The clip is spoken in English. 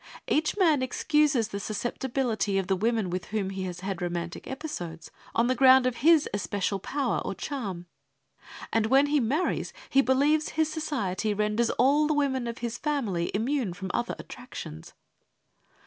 Each man excuses the susceptibility of the women with whom he has had romantic episodes, on the ground of his especial power or charm. And when he marries, he believes his society renders all the women of his family immune from other attractions.